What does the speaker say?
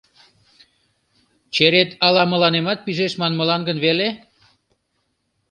Черет ала мыланемат пижеш манмылан гын веле?..»